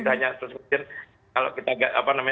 hanya terus terusan kalau kita